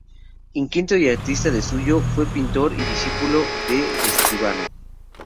Inquieto y artista de suyo, fue pintor y discípulo de Escribano.